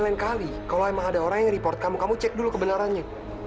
sampai jumpa di video selanjutnya